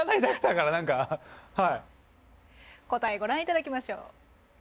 答えご覧いただきましょう。